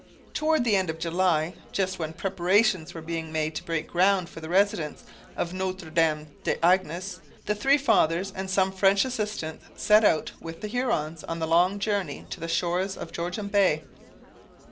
Towards the end of July, just when preparations were being made to break ground for the residence of Notre Dame des Anges, the three fathers and some French assistants set out with the Hurons on the long journey to the shores of Georgian Bay.